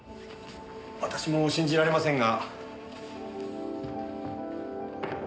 私も信じられませんが。